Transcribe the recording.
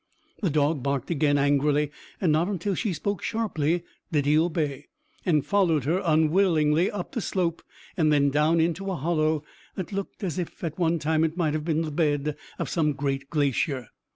The dog barked again, angrily, and not until she spoke sharply did he obey, and followed her unwillingly up the slope and then down into a hollow that looked as if at one time it might have been the bed of some great glacier.